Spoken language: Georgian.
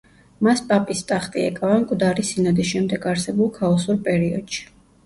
მას პაპის ტახტი ეკავა მკვდარი სინოდის შემდეგ არსებულ ქაოსურ პერიოდში.